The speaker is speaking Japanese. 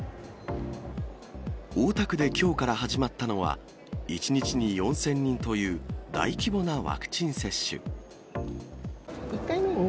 大田区できょうから始まったのは、１日に４０００人という大規模なワクチン接種。